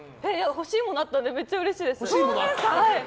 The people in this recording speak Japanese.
欲しいものあったのでめっちゃうれしいです。